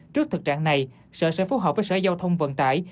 trước thực trạng này sở sẽ phối hợp với sở giao thông vận tải